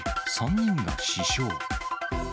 ３人が死傷。